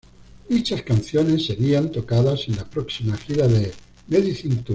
Dichas canciones serían tocadas en la próxima gira, "The Medicine Tour".